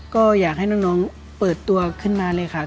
ก็อยากให้น้องเปิดตัวขึ้นมาเลยค่ะ